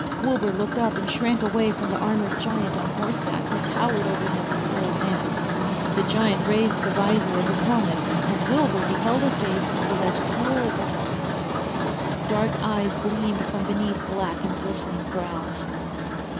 Wilbur looked up and shrank away from the armored giant on horseback who towered over him and the old man. The giant raised the visor of his helmet and Wilbur beheld a face that was as cruel as a hawk's. Dark eyes gleamed from beneath black and bristling brows.